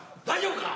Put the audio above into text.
大丈夫？